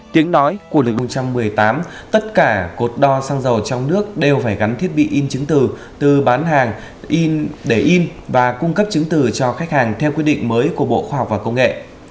tiếng nói của lịch một trăm một mươi tám tất cả cột đo xăng dầu trong nước đều phải gắn thiết bị in chứng từ từ bán hàng in để in và cung cấp chứng từ cho khách hàng theo quyết định mới của bộ khoa học và công nghệ